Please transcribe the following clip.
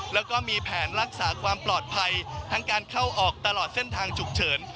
แล้วก็มีแผนรักษาความปลอดภัยทั้งการเข้าออกตลอดเส้นทางฉุกเฉิน